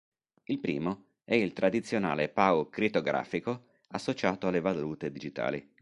Il primo è il tradizionale PoW crittografico associato alle valute digitali.